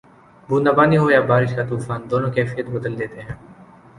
بوندا باندی ہو یا بارش کا طوفان، دونوں کیفیت بدل دیتے ہیں